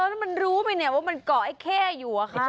เออมันรู้มั้ยเนี่ยว่ามันเกาะไอ้เข้อยู่อ่ะค่ะ